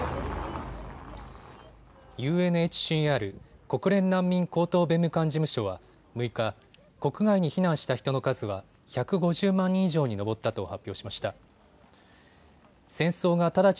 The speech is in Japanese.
ＵＮＨＣＲ・国連難民高等弁務官事務所は６日、国外に避難した人の数は１５０万人以上に上ったと発表しました。